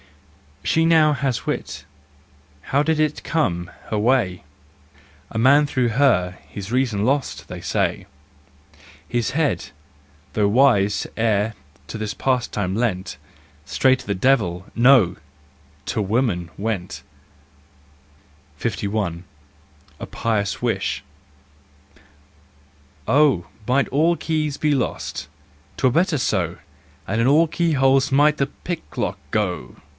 ... She now has wit—how did it come her way ? A man through her his reason lost, they say. His head, though wise ere to this pastime lent, Straight to the devil—no, to woman went! Si A Pious Wish. " Oh, might all keys be lost! 'Twere better so And in all keyholes might the pick lock go!